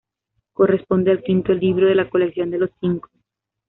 Corresponde al quinto libro de la colección de Los Cinco.